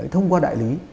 thông qua đại lý